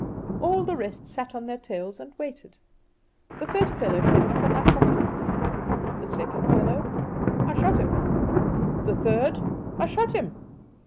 All the rest sat on their tails and waited. The first fellow came up, and I shot him; the second fellow I shot him; the third I shot him.